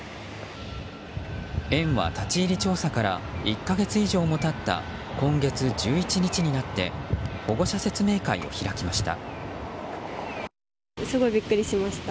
園は、立ち入り調査から１か月以上も経った今月１１日になって保護者説明会を開きました。